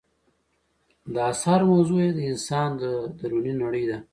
د اثارو موضوع یې د انسان دروني نړۍ ده.